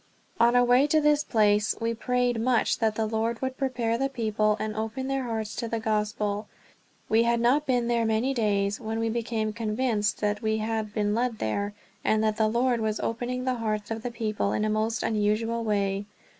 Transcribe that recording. On our way to this place we prayed much that the Lord would prepare the people, and open their hearts to the Gospel. We had not been there many days when we became convinced that we had been led there, and that the Lord was opening the hearts of the people in a most unusual way.